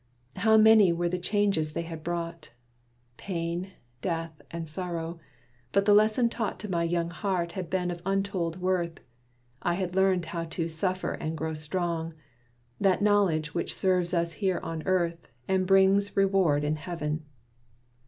How many were the changes they had brought! Pain, death, and sorrow! but the lesson taught To my young heart had been of untold worth. I had learned how to "suffer and grow strong" That knowledge which best serves us here on earth, And brings reward in Heaven.